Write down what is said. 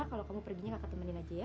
kalo kamu perginya kakak temenin aja ya